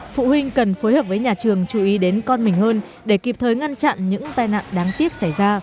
phụ huynh cần phối hợp với nhà trường chú ý đến con mình hơn để kịp thời ngăn chặn những tai nạn đáng tiếc xảy ra